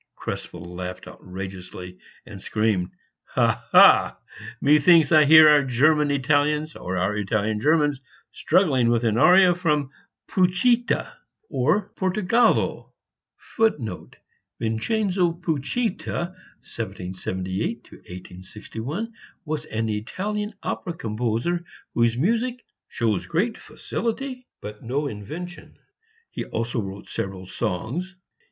Krespel laughed outrageously and screamed: "Ha! ha! methinks I hear our German Italians or our Italian Germans struggling with an aria from Pucitta, [Footnote: Vincenzo Pucitta (1778 1861) was an Italian opera composer, whose music "shows great facility, but no invention." He also wrote several songs.